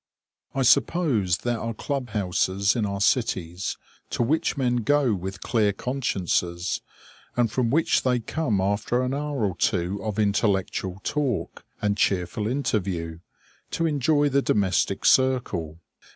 I suppose there are club houses in our cities to which men go with clear consciences, and from which they come after an hour or two of intellectual talk, and cheerful interview, to enjoy the domestic circle.